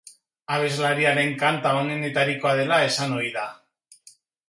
Abeslariaren kanta onenetarikoa dela esan ohi da.